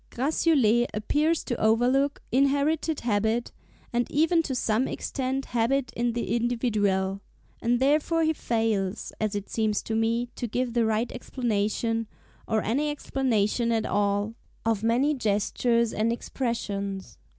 Gratiolet appears to overlook inherited habit, and even to some extent habit in the individual; and therefore he fails, as it seems to me, to give the right explanation, or any explanation at all, of many gestures and expressions.